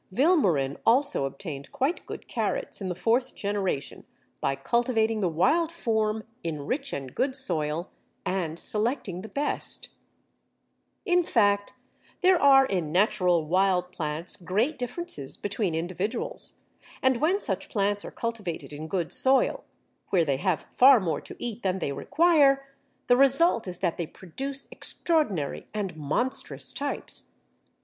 Vilmorin also obtained quite good carrots in the fourth generation by cultivating the wild form in rich and good soil, and selecting the best. Perceval, Agricultural Botany. In fact there are in natural wild plants great differences between individuals, and when such plants are cultivated in good soil, where they have far more to eat than they require, the result is that they produce extraordinary and monstrous types.